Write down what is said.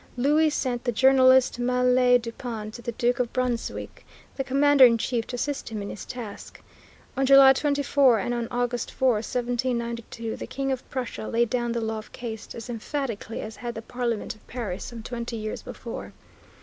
Louis sent the journalist Mallet du Pan to the Duke of Brunswick, the commander in chief, to assist him in his task. On July 24, and on August 4, 1792, the King of Prussia laid down the law of caste as emphatically as had the Parliament of Paris some twenty years before.